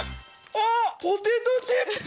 あっポテトチップスじゃん！